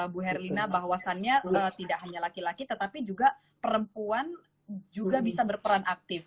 bu herlina bahwasannya tidak hanya laki laki tetapi juga perempuan juga bisa berperan aktif